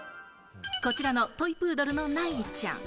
こちらのトイプードルの凪ちゃん。